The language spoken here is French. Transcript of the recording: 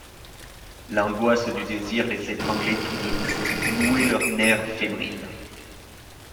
L'angoisse du désir les étranglait tous deux, nouait leurs nerfs fébriles.